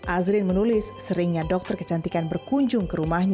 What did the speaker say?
azrin menulis seringnya dokter kecantikan berkunjung